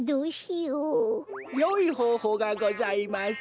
よいほうほうがございます。